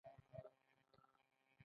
کومه ستونزه او تېروتنه مو نه درلوده.